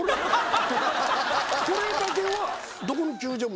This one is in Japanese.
これだけは。